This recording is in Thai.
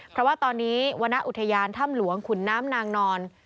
เพราะว่าตอนนี้วรรณอุทยานถ้ำหลวงขุนน้ำนางนอน